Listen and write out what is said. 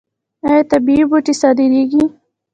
آیا طبیعي بوټي صادریږي؟